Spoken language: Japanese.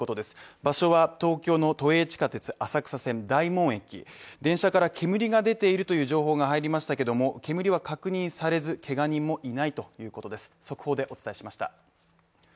場所は東京の都営地下鉄浅草線大門駅、電車から煙が出ているという情報が入りましたけども、煙は確認されず、けが人もいないということです